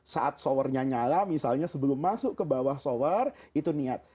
saat showernya nyala misalnya sebelum masuk ke bawah shower itu niat